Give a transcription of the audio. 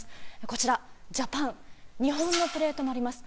こちら、ジャパン、日本のプレートもあります。